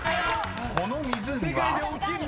［この湖は？］